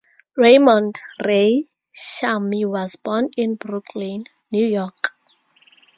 Raymond "Ray" Shamie was born in Brooklyn, New York.